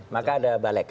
maka ada balik